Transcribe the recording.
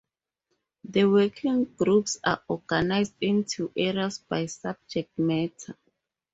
The working groups are organized into areas by subject matter.